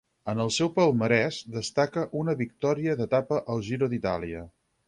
En el seu palmarès destaca una victòria d'etapa al Giro d'Itàlia.